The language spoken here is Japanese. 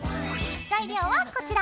材料はこちら。